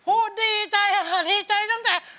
โอ้ดีใจค่ะดีใจจังแต่